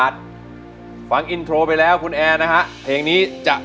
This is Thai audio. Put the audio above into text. สู้ค่ะ